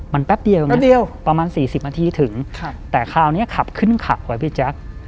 มันแป๊บเดียวไงประมาณ๔๐นาทีถึงแต่คราวนี้ขับขึ้นเข่าไว้พี่แจ๊ก